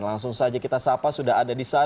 langsung saja kita sapa sudah ada di sana